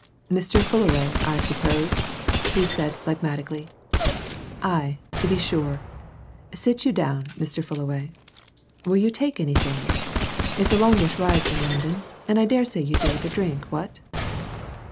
"Mr. Fullaway, I suppose?" he said, phlegmatically. "Aye, to be sure! Sit you down, Mr. Fullaway. Will you take anything? it's a longish ride from London, and I daresay you'd do with a drink, what?"